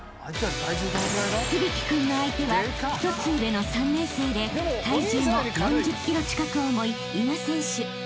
［響君の相手は１つ上の３年生で体重も４０ｋｇ近く重い］